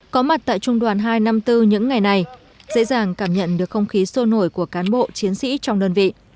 có mặt tại trung đoàn hai trăm năm mươi bốn những ngày này dễ dàng cảm nhận được không khí sôi nổi của cán bộ chiến sĩ trong đơn vị